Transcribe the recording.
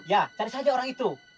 ya cari saja orang itu